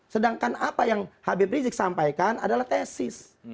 sedangkan apa yang habib rizik sampaikan adalah tesis